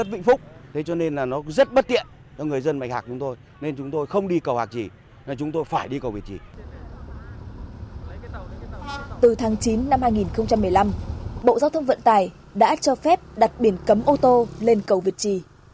từ tháng chín năm hai nghìn một mươi năm bộ giao thông vận tải đã cho phép đặt biển cấm ô tô lên cầu việt trì